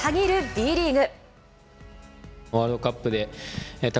Ｂリーグ。